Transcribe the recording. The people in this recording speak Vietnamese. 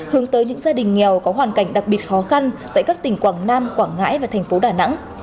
hướng tới những gia đình nghèo có hoàn cảnh đặc biệt khó khăn tại các tỉnh quảng nam quảng ngãi và thành phố đà nẵng